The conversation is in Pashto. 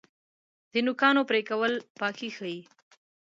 د نوکانو پرې کول پاکي ښیي.